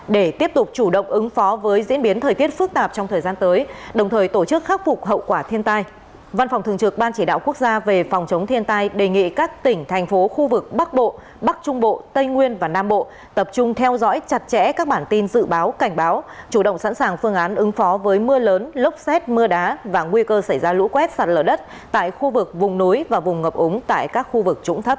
để tiếp tục chủ động ứng phó với diễn biến thời tiết phức tạp trong thời gian tới đồng thời tổ chức khắc phục hậu quả thiên tai văn phòng thường trực ban chỉ đạo quốc gia về phòng chống thiên tai đề nghị các tỉnh thành phố khu vực bắc bộ bắc trung bộ tây nguyên và nam bộ tập trung theo dõi chặt chẽ các bản tin dự báo cảnh báo chủ động sẵn sàng phương án ứng phó với mưa lớn lốc xét mưa đá và nguy cơ xảy ra lũ quét sạt lở đất tại khu vực vùng núi và vùng ngập ống tại các khu vực trũng thấp